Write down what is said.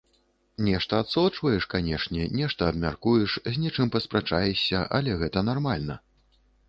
Нешта адсочваеш, канешне, нешта абмяркуеш, з нечым паспрачаешся, але гэта нармальна.